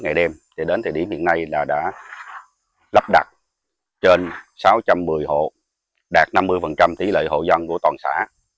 một năm trăm linh m ba ngày đêm đến thời điểm hiện nay đã lắp đặt trên sáu trăm một mươi hộ đạt năm mươi tỷ lệ hộ dân của toàn xã